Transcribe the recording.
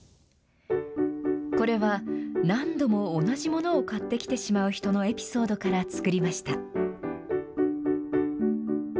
これは何度も同じものを買ってきてしまう人のエピソードから作りました。